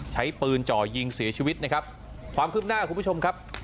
ใช้ปืนจ่อยิงเสียชีวิตนะครับความคืบหน้าคุณผู้ชมครับ